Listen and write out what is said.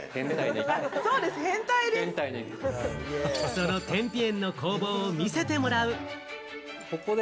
その天日塩の工房を見せてもらうことに。